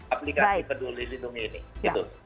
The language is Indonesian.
aplikasi peduli lindungi ini